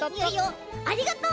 ありがとう！